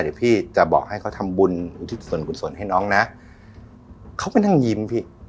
เดี๋ยวพี่จะบอกให้เขาทำบุญอุทิศส่วนกุศลให้น้องนะเขาก็นั่งยิ้มพี่